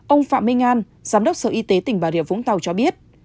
ông phạm minh an giám đốc sở y tế tỉnh bà rịa vũng tàu cho biết